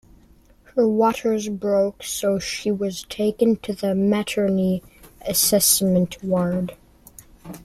Her waters broke so she was taken to the maternity assessment ward.